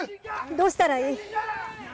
どうしたらいい。